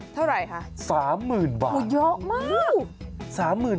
เท่าไหร่ไหมสามหมื่นบาทเยอะมาก